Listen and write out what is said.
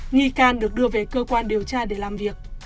nghi can được đưa về cơ quan điều tra để làm việc